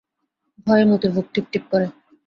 ভয়ে মতির বুক টিপটিপ করে।